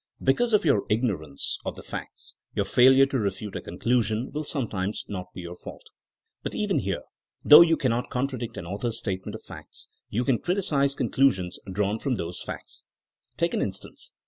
Because of your ignorance of the facts, your failure to refute a conclusion will sometimes not be your fault. But even here, though you cannot contradict an author *s statement of facts, you can criticise conclusions drawn from those facts. Take an instance.